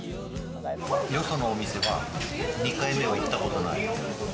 よそのお店は、２回目は行ったことない。